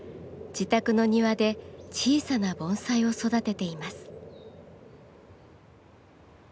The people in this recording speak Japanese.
自宅の庭で小さな盆栽を育てています。